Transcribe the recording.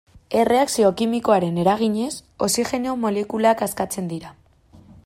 Erreakzio kimikoaren eraginez, oxigeno molekulak askatzen dira.